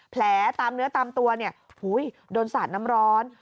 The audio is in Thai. แผลตามเนื้อตามตัวเนี่ยโดนสาดน้ำร้อน